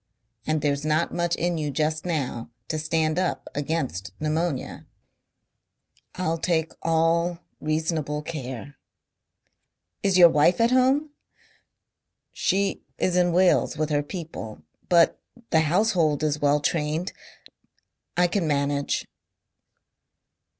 And there's not much in you just now to stand up against pneumonia...." "I'll take all reasonable care." "Is your wife at home!" "She is in Wales with her people. But the household is well trained. I can manage."